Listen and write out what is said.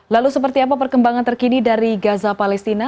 lalu seperti apa perkembangan terkini dari gaza palestina